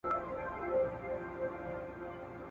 تر پاچا پوري عرض نه سو رسېدلای